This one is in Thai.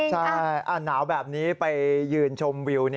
ใช่หนาวแบบนี้ไปยืนชมวิว